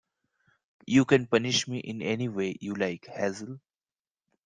You can punish me in any way you like, Hazel.